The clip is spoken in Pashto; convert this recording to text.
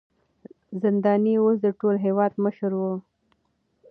زنداني اوس د ټول هېواد مشر و.